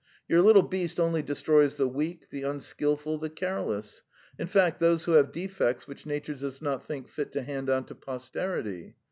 Your little beast only destroys the weak, the unskilful, the careless in fact, those who have defects which nature does not think fit to hand on to posterity.